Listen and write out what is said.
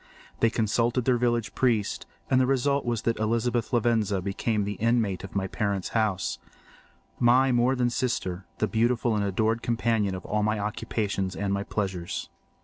They consulted their village priest, and the result was that Elizabeth Lavenza became the inmate of my parents' house—my more than sister—the beautiful and adored companion of all my occupations and my pleasures.